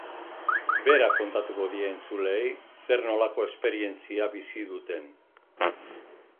Berak kontatuko die entzuleei zer nolako esperientzia bizi duten.